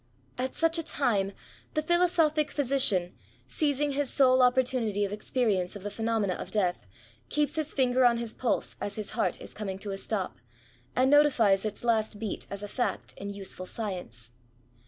'^ At such a time, the philosophic physician, seizing his sole oppor tunity of experience of the phenomena of death, keeps his finger on his pulse as his heart is coming to a stop, and notifies its last beat as a fact in useful science.